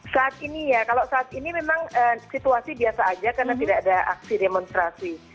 saat ini ya kalau saat ini memang situasi biasa aja karena tidak ada aksi demonstrasi